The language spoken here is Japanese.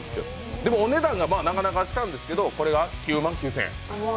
でもお値段がなかなかしたんですけど、これが９万９０００円。